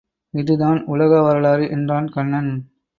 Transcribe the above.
இதுதான் உலக வரலாறு என்றான் கண்ணன்.